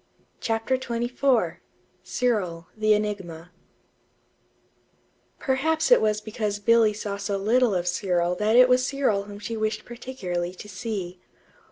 CHAPTER XXIV CYRIL, THE ENIGMA Perhaps it was because Billy saw so little of Cyril that it was Cyril whom she wished particularly to see.